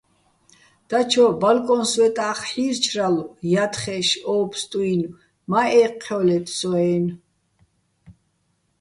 დაჩო ბალკოჼ სვეტახ ჰ̦ი́რჩრალო̆ ჲათხეშ ო ფსტუ́ჲნო̆: მა ე́ჴჴჲო́ლეთ სო-აჲნო̆.